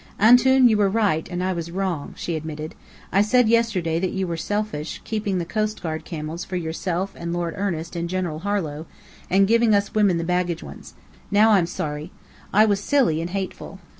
"Antoun, you were right, and I was wrong," she admitted. "I said yesterday that you were selfish, keeping the coastguard camels for yourself and Lord Ernest and General Harlow, and giving us women the baggage ones. Now I'm sorry. I was silly and hateful.